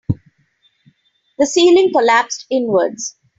The ceiling collapsed inwards.